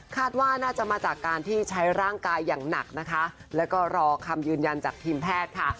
ว่าน่าจะมาจากการที่ใช้ร่างกายอย่างหนักนะคะแล้วก็รอคำยืนยันจากทีมแพทย์ค่ะ